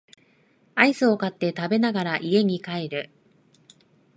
アイスを買って食べながら家に帰る